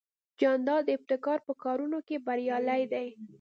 جانداد د ابتکار په کارونو کې بریالی دی.